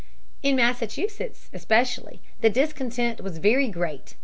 In Massachusetts, especially, the discontent was very great.